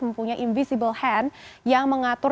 mempunyai invisible hand yang mengatur